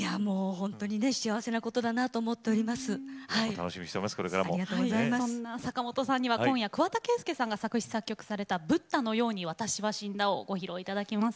本当に幸せなことだとそんな坂本さんには今夜、桑田佳祐さんが作詞・作曲された「ブッダのように私は死んだ」をご披露いただきます。